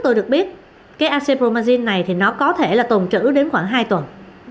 tôi được biết cái acid bromazine này thì nó có thể là tồn trữ đến khoảng hai tuần